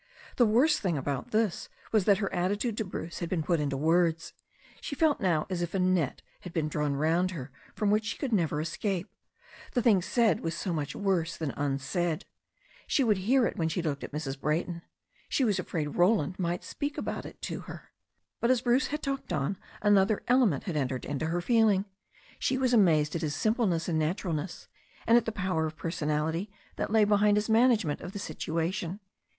The worst thing about this was that her attitude to Bruce had been put into words. She felt now as if a net had been drawn round her from which she could never es cape. The thing said was so much worse than tmsaid. She would hear it when she looked at Mrs. Brayton. She was afraid Roland might speak about it to her. But, as Bruce had talked on, another element had entered into her feeling. She was amazed at his simpleness and naturalness, and at the power of personality that lay behind his management of the situation.